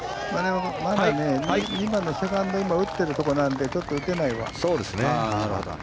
今、セカンドを打っているところなのでちょっと打てないわ。